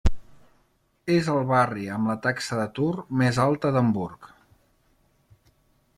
És el barri amb la taxa d'atur més alta d'Hamburg.